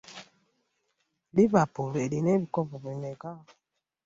Liverpool erina ebikopo bimeka?